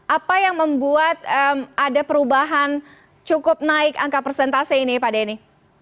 apa yang membuat ada perubahan cukup naik angka persentase ini pak denny